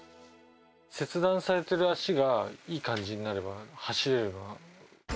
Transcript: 切断されてる脚がいい感じになれば走れる。